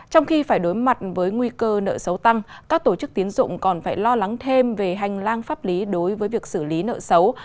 trong khi phải đối mặt với nguy cơ nợ xấu tăng các tổ chức tiến dụng còn phải lo lắng thêm về hành lang pháp lý đối với việc xử lý nợ xấu